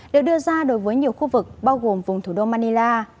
được đưa ra đối với nhiều khu vực bao gồm vùng thủ đô manila